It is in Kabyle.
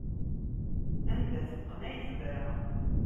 Anda teqqen ay tebra.